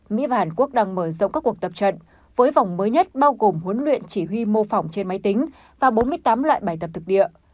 mỹ và hàn quốc đang mở rộng các cuộc tập trận với vòng mới nhất bao gồm huấn luyện chỉ huy mô phỏng trên máy tính và bốn mươi tám loại bài tập thực địa